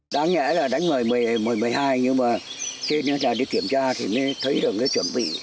đáng nhẽ là đánh mời mười mười hai nhưng mà trên đó là để kiểm tra thì mới thấy được cái chuẩn bị